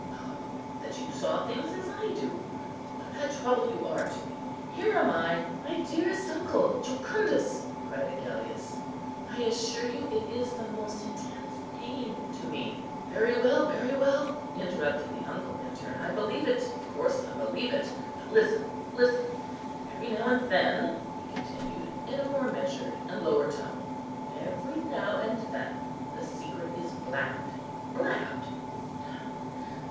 Oh that you saw things as I do! What a trouble you are to me! Here am I"—— "My dearest uncle, Jucundus," cried Agellius, "I assure you, it is the most intense pain to me"—— "Very well, very well," interrupted the uncle in turn, "I believe it, of course I believe it; but listen, listen. Every now and then," he continued in a more measured and lower tone, "every now and then the secret is blabbed—blabbed.